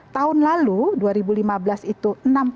tahun lalu dua ribu lima belas itu enam puluh sembilan